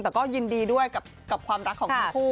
แต่ก็ยินดีด้วยกับความรักของทั้งคู่